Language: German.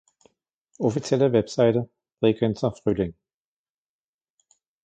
Offizielle Webseite Bregenzer Frühling